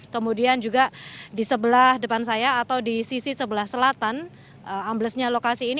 kemudian juga di sebelah depan saya atau di sisi sebelah selatan amblesnya lokasi ini